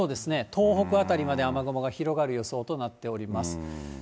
東北辺りまで雨雲が広がる予想となっております。